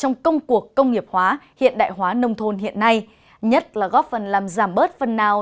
góp phần làm giảm bớt phần nào